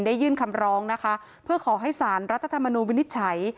ยื่นคำร้องนะคะเพื่อขอให้สารรัฐธรรมนูลวินิจฉัย